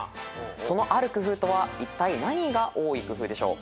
そのある工夫とはいったい何が多い工夫でしょう？